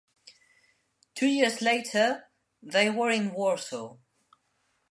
Two years later they were in Warsaw.